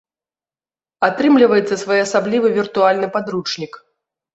Атрымліваецца своеасаблівы віртуальны падручнік.